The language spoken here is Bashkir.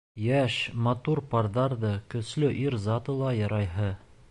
Йәш, матур парҙар ҙа, көслө ир заты ла ярайһы.